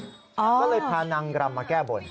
ก็เลยพานางรำมาแก้บน